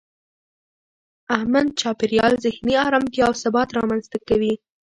امن چاپېریال ذهني ارامتیا او ثبات رامنځته کوي.